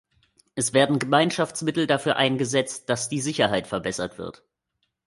Es werden Gemeinschaftsmittel dafür eingesetzt, dass die Sicherheit verbessert wird.